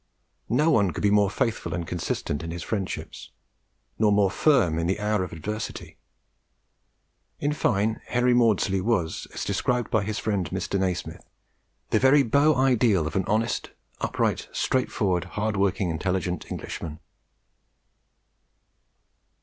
No one could be more faithful and consistent in his friendships, nor more firm in the hour of adversity. In fine, Henry Maudslay was, as described by his friend Mr. Nasmyth, the very beau ideal of an honest, upright, straight forward, hard working, intelligent Englishman.